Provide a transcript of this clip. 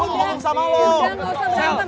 udah udah udah gak usah berantem udah aku udah bantem